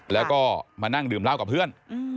แล้วก็มานั่งดื่มเหล้ากับเพื่อน